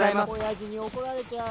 親父に怒られちゃう。